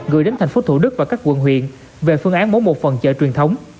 gửi đến thành phố thủ đức và các quận huyện về phương án bố một phần chợ truyền thống